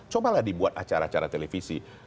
cobalah dibuat acara acara televisi